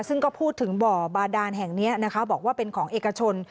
ซึ่งก็พูดถึงบ่อบาดานแห่งนี้นะคะบอกว่าเป็นของเอกชน